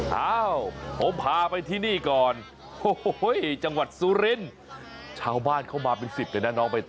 อ้าวผมพาไปที่นี่ก่อนโอ้โหจังหวัดสุรินทร์ชาวบ้านเข้ามาเป็นสิบเลยนะน้องไปต่อ